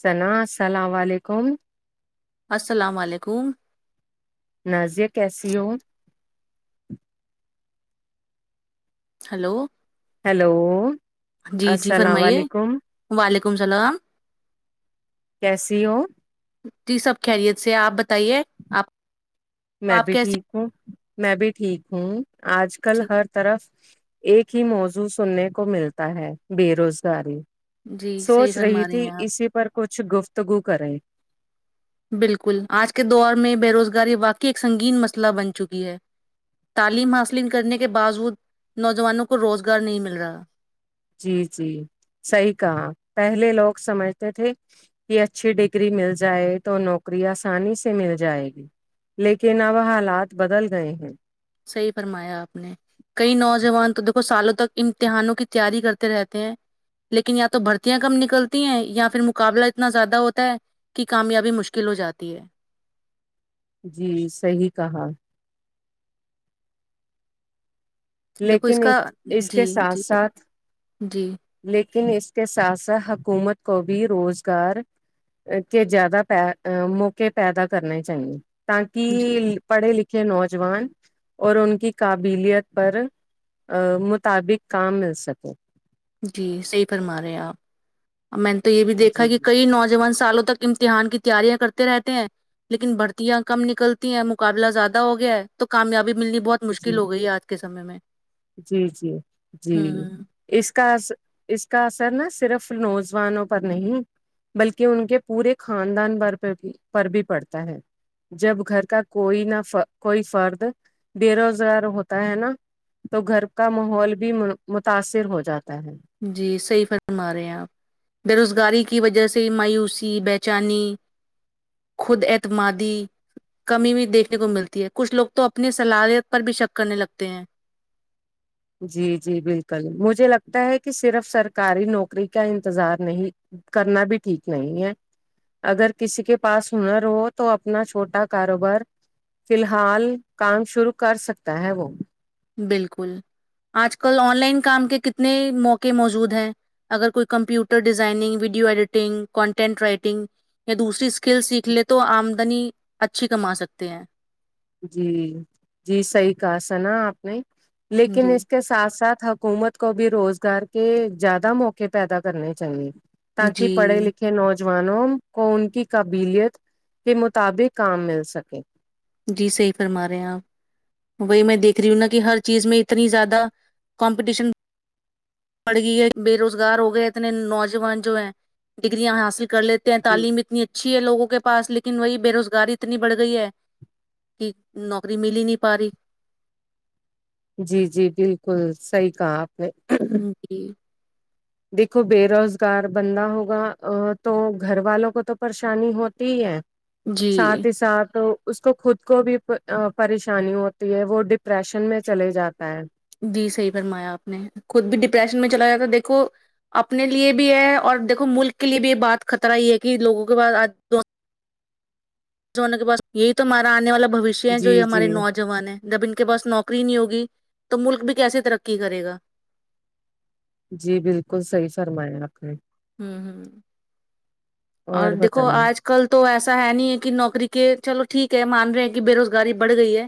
سنا السلام علیکم السلام علیکم نازیہ کیسی ہو ہلو ہیلو جی جی السلام فرمائیے علیکم وعلیکم السلام کیسی ہو جی سب خیریت سے آپ بتائیے آپ میں آپ بھی کیسی ٹھیک ہوں میں بھی ٹھیک ہوں آج کل جی ہر طرف ایک ہی موضوع سننے کو ملتا ہے بے روزگاری جی صحیح سوچ رہی فرما تھی ہیں آپ اسی پر کچھ گفتگو کریں بالکل آج کے دور میں بے روزگاری واقع ایک سنگین مسئلہ بن چکی ہے تعلیم حاصل کرنے کے باوجود نوجوانوں کو روزگار نہیں مل رہا جی جی صحیح کہا پہلے لوگ سمجھتے تھے یہ اچھی ڈگری مل جائے تو نوکری آسانی سے مل جائے گی لیکن اب حالات بدل گئے ہیں صحیح فرمایا آپ نے کئی نوجوان تو دیکھو سالوں تک امتحانوں کی تیاری کرتے رہتے ہیں لیکن یا تو بھرتیاں کم نکلتی ہیں یا پھر مقابلہ اتنا زیادہ ہوتا ہے کی کامیابی مشکل ہو جاتی ہے جی صحیح کہا دیکھو اس لیکن کا ایک- اس جی کے ساتھ جی فرما ساتھ جی لیکن اس کے ساتھ ساتھ حکومت کو بھی روزگار کہ زیادہ پئے موقے پیدا کرنے چاہیے جی تاکی پڑھے لکھے نوجوان اور ان کی قابلیت پر مطابق کام مل سکے جی صحیح فرما رہے ہیں آپ میں نے تو یہ بھی دیکھا جی کہ کئی نوجوان سالوں تک امتحان کی تیاریاں کرتے رہتے ہیں لیکن بھرتیاں کم نکلتی ہیں مقابلہ زیادہ ہو گیا ہے تو کامیابی ملنی بہت جی مشکل ہو گئی ہے آج کے سمے میں جی جی جی ہوں اس کا اث اس کا اثر نا صرف نوجوانوں پر نہیں بلکہ ان کے پورے خاندان پر پر بھی پڑتا ہے جب گھر کا کوئی نہ فر کوئی فرد بے روزگار ہوتا ہے نا تو گھر کا ماحول بھی متاثر ہو جاتا ہے جی صحیح فرما رہے ہیں آپ بے روزگاری کی وجہ سے مایوسی بے چینی خود اعتمادی کمی بھی دیکھنے کو ملتی ہے کچھ لوگ تو اپنی صلاحیت پر بھی شک کرنے لگتے ہیں جی جی بالکل مجھے لگتا ہے کہ صرف سرکاری نوکری کا انتظار نہیں کرنا بھی ٹھیک نہیں ہے اگر کسی کے پاس ہنر ہو تو اپنا چھوٹا کاروبار فی الحال کام شروع کر سکتا ہے وہ بالکل آج کل آن لائن کام کے کتنے موقع موجود ہیں اگر کوئی computer designing video editing content writing یا دوسری اسکیل سیکھلے تو آمدنی اچھی کما سکتے ہیں جی جی صحیح کہا سنا آپ نے لیکن جی اس کے ساتھ ساتھ حکومت کو بھی روزگار کے زیادہ موقع پیدا کرنے چاہیے تاکہ جی پڑھے لکھے کھے نوجوانوں کو ان کی قابلیت کے مطابق کام مل سکے جی صحیح فرما رہے ہیں آپ وہی میں دیکھ رہی ہوں نا کہ ہر چیز میں اتنی زیادہ کمپیٹیشن پڑ گئی ہے بے روزگار ہو گئے اتنے نوجوان جو ہے ڈگریاں حاصل کر لیتے جی تعلیم اتنی اچھی ہے لوگوں کے پاس لیکن وہی بے روزگاری اتنی بڑھ گئی ہے کی نوکری مل ہی نہیں پا رہی جی جی بالکل صحیح کہا آپ نے جی دیکھو بے روزگار بندہ ہوگا تو گھر والوں کو تو پریشانی ہوتی ہی ہے جی ساتھ ہی ساتھ اس کو خود کو بھی پریشانی ہوتی ہے وہ ڈپریشن میں چلے جاتا ہے جی صحیح فرمایا آپ نے خود بھی ڈپریشن میں چلا گیا دیکھو اپنے لیے بھی ہے اور دیکھو ملک کے لیے بھی یہ بات خطرہ ہی ہے کہ لوگوں کے بعد دو جوانوں کے پاس یہی تو ہمارا آنے والا بھویشیہ ہے جو جی یہ ہماری جی نو جوان ہے جب ان کے پاس نوکری نہیں ہوگی تو ملک بھی کیسے ترقی کرے گا جی بالکل صحیح فرمایا آپ نے ہوں ہوں اور دیکھو آج کل تو ایسا ہے نہیں ہے کہ نوکری کے چلو ٹھیک ہے مان رہے ہیں کہ بے روزگاری بڑھ گئی ہے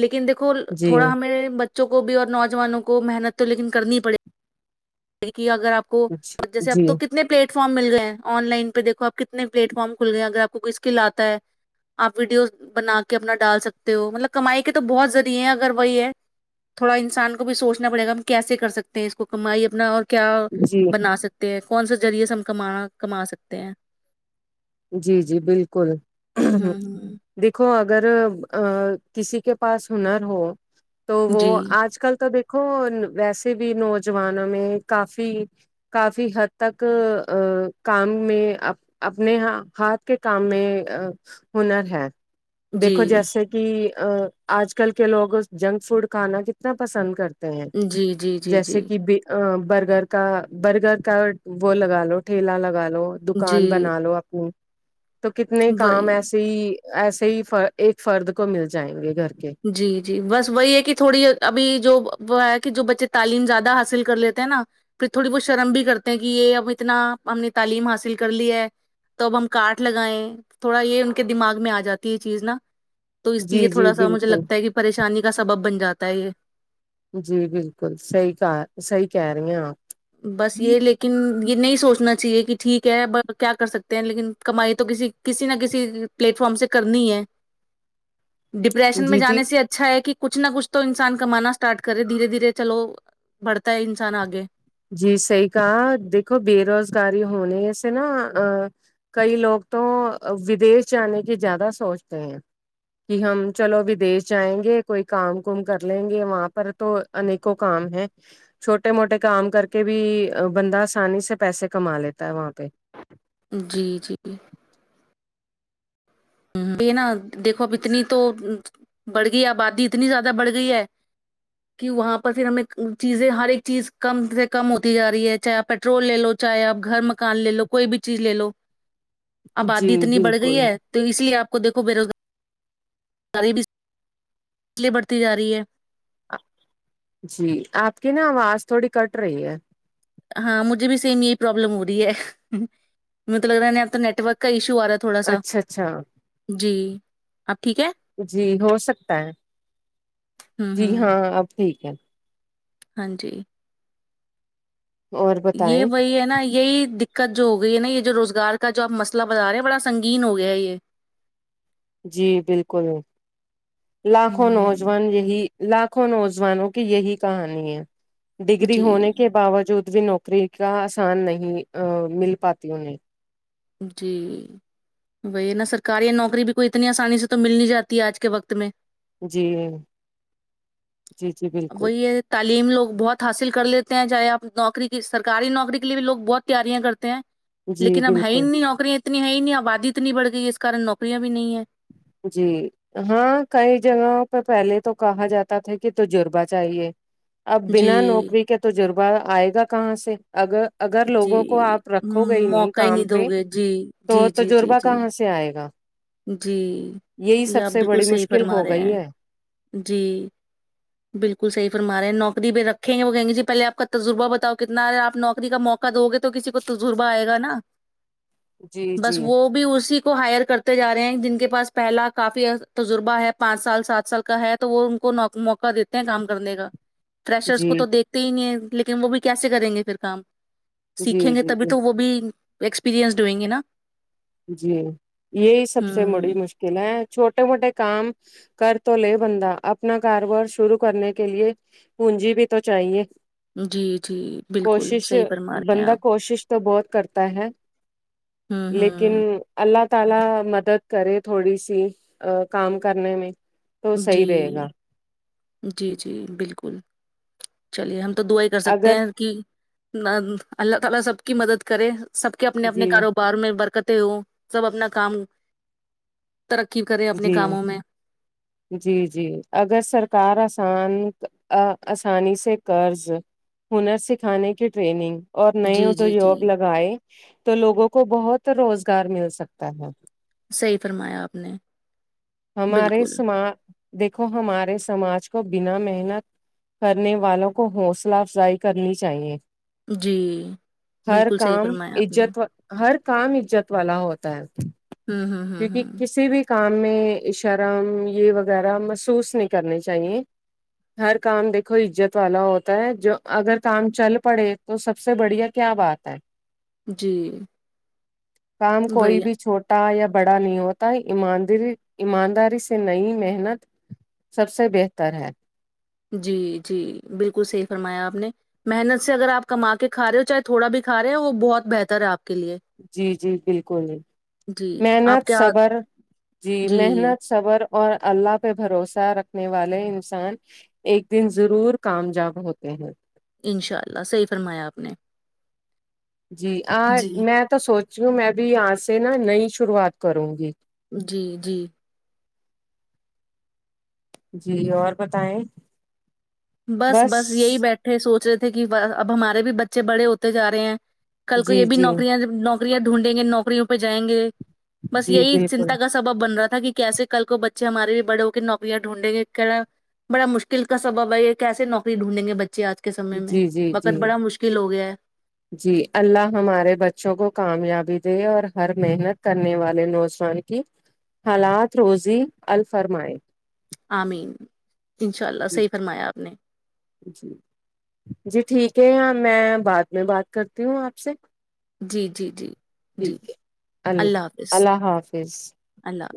لیکن دیکھو جی تھوڑا ہمیں بچوں کو بھی اور نوجوانوں کو محنت تو لیکن کرنی پڑے د اگر آپ کو جیسے آپ جی تو کتنے کتنے پلیٹ فارم مل گئے ہیں ان لائن پہ دیکو آپ کتنے پلیٹ فارم کھل گئے ہیں اگر آپ کوئی اسکل آتا ہے آپ ویڈیوز بنا کے اپنا ڈال سکتے ہو مطلب کمائی کے تو بہت ذریعے ہیں اگر وہی ہے تھوڑا انسان کو بھی سوچنا پڑیگا ہم کیسے کر سکتے ہیں اس کو کمائی اب اپنا اور کیا جی بنا سکتے ہیں کون سا ذریعے سے ہم کما کما سکتے ہیں جی جی بالکل ہوں ہ دیکھو اگر ا کسی کے پاس ہنر ہو تو وہ جی آج کل تو دیکھو ویسے بھی نوجوانوں میں کافی کافی حد تک ا کام میں اپنے ہاتھ کے کام میں آ ہنر ہے دیکھو جی جیسے کہ کہ آج کل کے لوگ جنک فوڈ کھانا کتنا پسند کر تے ہے جی جی جی جیسے جی کہ ب برگر کا برگر کا وہ لگا لو ٹھیلہ لگا لو دکان جی بنا لو اپنی تو کتنے کام وہی ایسے ہی ایسے ہی فر ایک فرد کو مل جائیں گے گھر کے جی جی بس وہی ہے کہ تھوڑی ابھی جو ہے کہ جو بچے تعلیم زیادہ حاصل کر لیتے ہیں نا پھر تھوڑی بہت شرم بھی کرتے ہیں کہ یہ اب اتنا ہم نے تعلیم حاصل کر لی ہے تو اب ہم کاٹ لگائیں تھوڑا یہ ان کے دماغ میں آ جاتی ہے یہ چیز نا تو اس جی لیے جی تھوڑا سا مجھے بالکل لگتا ہے کہ پریشانی کا سبب بن جاتا ہے یہ جی بالکل صحیح کہا صحیح کہہ رہی ہیں آپ بس یہ لیک لیکن یہ نہیں سوچنا چاہیے کہ ٹھیک ہے کیا کر سکتے ہیں لیکن کمائی تو کسی کسی نہ کسی پلیٹ فارم سے کرنی ہے ڈپریشن میں جی جی جانے سے اچھا ہے کہ کچھ نہ کچھ تو انسان کمانا اسٹارٹ کرے دھیرے دھیرے چلو بڑھتا ہے انسان آگے جی صحیح کہا دیکھو بے روزگاری ہونے سے نا ا کئی لوگ تو ودیش جانے کی زیادہ سوچتے ہیں کہ ہم چلو ودیش جائیں گے کوئی کام کوم کر لیں گے وہاں پر تو انیکوں کام ہے چھوٹے موٹے کام کر کے بھی بندہ آسانی سے پیسے کما لیتا ہے وہاں پہ جی جی بنا دیکھو اب اتنی تو بڑھ گئی آبادی اتنی زیادہ بڑھ گئی ہے کہ وہاں پر پھر ہمیں چیزیں ہر ایک چیز کم سے کم ہوتی جا رہی ہے چاہے آپ پیٹرول لے لو چاہے آپ گھر مکان لے لو کوئی بھی چیز لے لو جی آبادی اتنی بڑھ گئی بالکل ہے تو اس لیے آپ کو دیکھو بے۔ وزگاری بھی لی بڑتی جا رہی ہے جی آپ کی نا آواز تھوڑی کٹ رہی ہے ہاں مجھے بھی سیم یہی پرابلم ہو رہی مطلب ہے نا نیٹ ورک کا ایشو آ رہا تھوڑا سا اچھا اچھا جی اب ٹھیک ہے جی ہو سکتا ہے ہوں جی ہوں ہاں اب ٹھیک ہے ہاں جی اور یہ بتائیں وہی ہے نہ یہ ہے دیک کا جو ہو گئی ہے نا یہ جو روزگار کا جو آپ مسئلہ بتا رہے ہیں بڑا سنگین ہو گیا ہے یہ جی بالکل لاکھوں ہوں نوجوان یہی لاکھوں نوجوانوں کی یہی کہانی ہے ڈگری جی ہونے کے باوجود بھی نوکری کا آسان نہیں آ مل پاتی انہیں جی وہی ہے نا سرکاری یا نوکری بھی کوئی اتنی آسانی سے تو مل نہیں جاتی ہے آج کے وقت میں جی جی جی بلکل وہی ہے تعلیم لوگ بہت حاصل کر لیتے ہیں چاہے آپ نوکری کی سرکاری نوکری کے لیے بھی لوگ بہت تیاریاں کرتے ہیں جی لیکن اب ہے ہی بالکل نہیں نوکریاں اتنی ہے ہی نہیں آبادی اتنی بڑھ گئی اس کارن نوکریاں بھی نہیں ہے جی ہاں کئی جگہوں پہ پہلے تو کہاں جاتا تھا کہ تجربہ چاہیے اب بنا جی نوکری کے تجربہ آئے گا کہاں سے اگر اگر جی لوگوں کو آپ رکھو ہوں، گے نہیں موقع ہی کام دو پہ گے جی تو جی جی جی تجربہ جی کہاں سے آئے گا جی یہی یہ سب آپ سے بلکل بڑی صحیح مشکل فرما ہو رہے گئی ہیں ہے جی بلکل صحیح فرماے ہیں نوکری بھی رکھیں گے وہ کہیں گے جی پہلے آپ تجربہ بتاؤ کتنا ہے نوکری کا موقع دو گے تو کسی کو تجربہ آئے گا نا جی بس جی وہ بھی اسی کو ہائر کر تے جا رہے ہیں جن کے پاس پہلا کافی تجربہ ہے پانچ سال سات سال کا ہے تو وہ ان کو موقعہ دیتے کام کرنے کا فریشرس کو جی تو دیتے ہی نہیں ہے لیکن وہ بھی کیسے کریں گے پھر کام جی سیکھیں گے جی تبھی جی تو وہ بھی ایکسپیرئنڈ ہوئیں گے نا جی یہی سب سے بڑی ہ مشکل ہے چھوٹے موٹے کام کر تو لے بندہ اپنا کاروبار شروع کرنے کے لیے پونجی بھی تو چاہیے جی جی بالکل کوشش صحیح فرما رہے ہیں بندہ آپ کوشش تو بہت کرتا ہے ہوں لیکن ہوں اللہ تعالی مدد کرے تھوڑی سی کام کرنے میں تو جی، صحیح رہے گا جی جی بلکل چلیے ہم تو دعا ہی کر سکتے اگر ہیں کہ اللہ تعالی سب کی مدد کرے سب کے اپنے اپنے جی کاروبار میں برکتیں ہوں سب اپنا کام ترقی کرے اپنے جی کاموں میں جی جی اگر سرکار آسان ا آسانی سے قرض ہنر سکھانے کی ٹریننگ اور نئے جی، جی، جی، ادیوگ لگائے تو لوگوں کو بہت روزگار مل سکتا تھا صحیح فرمایا آپ نے ہمارے بالکل سما دیکھو ہمارے سماج کو بنا محنت کرنے والوں کو حوصلہ افزائی کرنی چاہیے جی ہر بالکل صحیح کام فرمایا آپ نے عزت ہر کام عزت والا ہوتا ہے ہمم ہمم ہمم کیونکہ ہمم کسی بھی کام میں شرم یہ وغیرہ محسوس نہیں کرنی چاہیے ہر کام دیکھو عزت والا ہوتا ہے جو اگر کام چل پڑے تو سب سے بڑھیا کیا بات ہے جی، کام کوئی وہی بھی چھوٹ ٹا یا بڑا نہیں ہوتا ایمانداری ایمانداری سے نئی محنت سب سے بہتر ہے جی جی بالکل صحیح فرمایا آپ نے محنت سے اگر آپ کما کے کھا رہے ہو چاہے تھوڑا بھی کھا رہے ہو وہ بہت بہتر ہے آپ کے لیے جی جی بالکل جی، آپ محنت کیا صبر جی محنت صبر اور اللہ پہ بھروسہ رکھنے والے انسان ایک دن ضرور کامجاب ہوتے ہیں انشاء اللہ صحیح فرمایا آپ نے جی آج جی میں تو سوچ رہی ہوں میں بھی آج سے نا نئی شروعات کروں گی جی جی جی اور بتائیں بس بس یہی بیٹھے سوچ رہے تھے کہ اب ہمارے بھی بچے بڑے ہوتے جا رہے ہیں کل کو یہ جی بھی جی نوکریاں نوکریاں ڈھونڈیں گے نوکریوں پہ جائیں گے بس جی یہی بالکل چنتا کا سبب بن رہا تھا کہ کیسے کل کو بچے ہمارے بھی بڑے ہو کے نوکریاں ڈھونڈیں گے کیا بڑا مشکل کا سبب ہے یہ کیسے نوکری ڈھونڈیں گے بچے آج کے سمے میں جی جی جی وقت بڑا مشکل ہو گیا ہے جی اللہ ہمارے بچوں کو کامیابی دے اور ہر محنت کرنے والے نوجوان کی حالات روزی ال فرمائے آمین انشاء اللہ صحیح فرمایا آپ نے جی جی ٹھیک ہے میں بعد میں بات کرتی ہوں آپ سے جی جی جی جی ٹھیک ہے ال اللہ حافظ اللہ حافظ اللہ